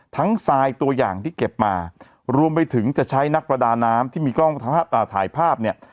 ทรายตัวอย่างที่เก็บมารวมไปถึงจะใช้นักประดาน้ำที่มีกล้องถ่ายภาพเนี่ย